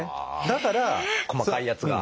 だから細かいやつが。